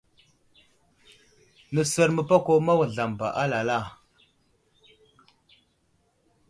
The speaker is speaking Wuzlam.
Nəsər məpako ma wuzlam ba alala.